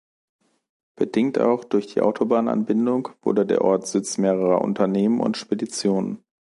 Bedingt auch durch die Autobahnanbindung wurde der Ort Sitz mehrerer Unternehmen und Speditionen.